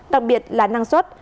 đặc biệt là năng suất